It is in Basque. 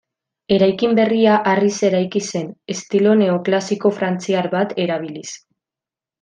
Eraikin berria harriz eraiki zen estilo neoklasiko frantziar bat erabiliz.